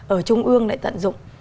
ở trung ương lại tận dụng